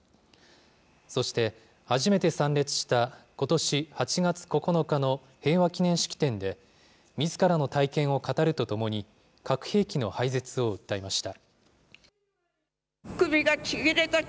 そして、初めて参列したことし８月９日の平和祈念式典で、みずからの体験を語るとともに、核兵器の廃絶を訴えました。